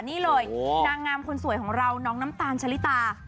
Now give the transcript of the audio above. นี่เลยนางงามคนสวยของเราน้องน้ำตาลชะลิตา